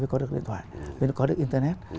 mới có được điện thoại mới có được internet